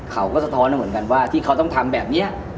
สะท้อนเหมือนกันว่าที่เขาต้องทำแบบนี้